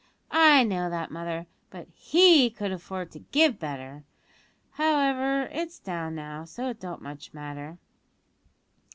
"I know that, mother; but he could afford to give better. However, it's down now, so it don't much matter."